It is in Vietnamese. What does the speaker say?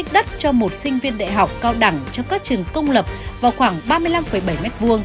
đất cho một sinh viên đại học cao đẳng trong các trường công lập vào khoảng ba mươi năm bảy m hai